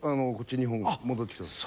日本戻ってきたんです。